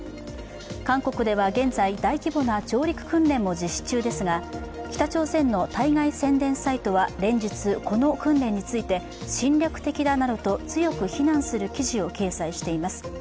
韓国では現在、大規模な上陸訓練も実施中ですが、北朝鮮の対外宣伝サイトは連日、この訓練について侵略的だなどと強く非難する記事を掲載しています。